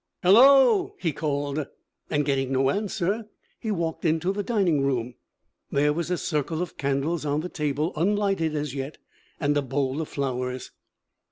'Hallo!' he called; and getting no answer, he walked into the dining room. There was a circle of candles on the table, unlighted as yet, and a bowl of flowers.